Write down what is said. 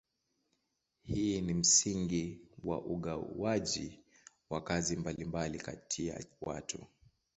Hii ni msingi wa ugawaji wa kazi mbalimbali kati ya watu.